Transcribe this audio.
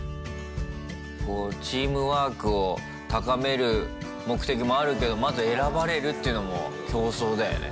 こうチームワークを高める目的もあるけどまず選ばれるっていうのも競争だよね。